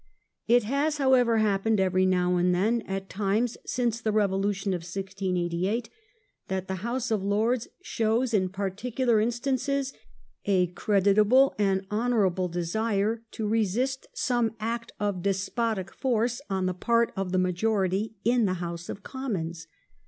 It has, however, happened every now and then at all times since the revolution of 1688, that the House of Lords shows, in par ticular instances, a creditable and honourable desire to resist some act of despotic force on the part of the majority in the House of Commons.